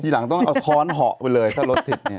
หลังต้องเอาค้อนเหาะไปเลยถ้ารถติดเนี่ย